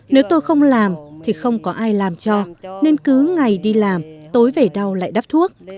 nếu tôi không làm thì không có ai làm cho nên cứ ngày đi làm tối về đau lại đắp thuốc